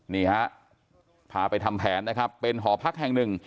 นี่ฮะพาไปทำแผนนะครับเป็นหอพักแห่งหนึ่ง